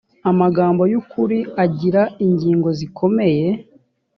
amagambo y ukuri agira ingingo zikomeye